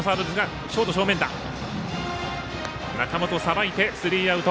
中本さばいてスリーアウト。